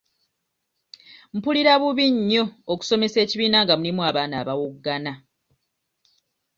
Mpulira bubi nnyo okusomesa ekibiina nga mulimu abaana abawoggana.